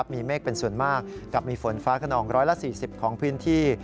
มีเมฆเป็นส่วนมากกับมีฝนฟ้าขนอง๑๔๐ของพื้นที่